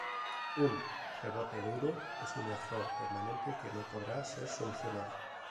Un rebote duro es un error permanente que no podrá ser solucionado.